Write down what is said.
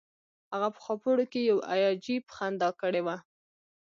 هغه په خاپوړو کې یو عجیب خندا کړې وه